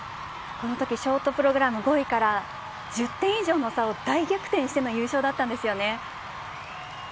このときショートプログラム５位から１０点以上の差を大逆転しての優勝だったんですよね。